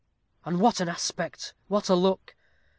And what an aspect, what a look!